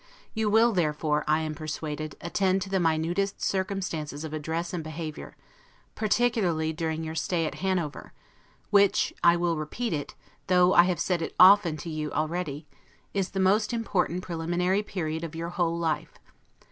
You will, therefore, I am persuaded, attend to the minutest circumstances of address and behavior, particularly during your stay at Hanover, which (I will repeat it, though I have said it often to you already) is the most important preliminary period of your whole life.